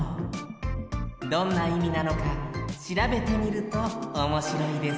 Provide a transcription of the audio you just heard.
どんないみなのかしらべてみるとおもしろいですよ